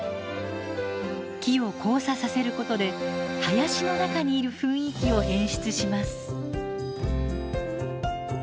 木を交差させることで林の中にいる雰囲気を演出します。